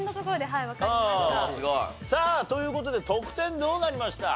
さあという事で得点どうなりました？